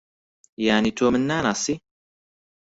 یانی تۆ من ناناسی؟